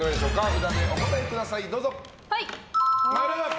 札でお答えください。